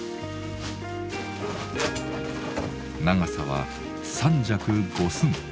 長さは三尺五寸。